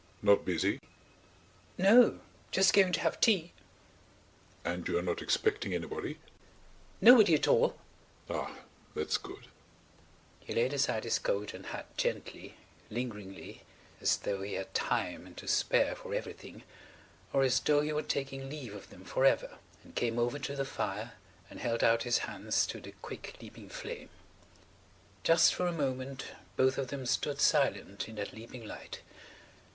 "Not busy?" "No. Just going to have tea." "And you are not expecting anybody?" "Nobody at all." "Ah! That's good." He laid aside his coat and hat gently, lingeringly, as though he had time and to spare for everything, or as though he were taking leave of them for ever, and came over to the fire and held out his hands to the quick, leaping flame. Just for a moment both of them stood silent in that leaping light.